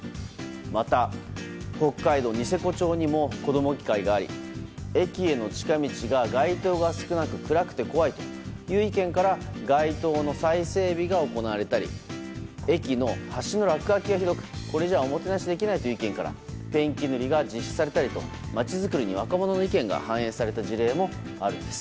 また、北海道ニセコ町にも子ども議会があり駅への近道が街灯が少なく暗くて怖いという意見から街灯の再整備が行われたり駅の橋の落書きがひどくこれじゃ、おもてなしできないという意見からペンキ塗りが実施されたりと町づくりに若者の意見が反映された事例もあるんです。